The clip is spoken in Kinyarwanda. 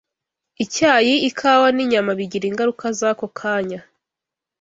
Icyayi, ikawa n’inyama bigira ingaruka z’ako kanya